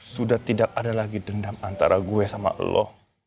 sudah tidak ada lagi dendam antara gue sama allah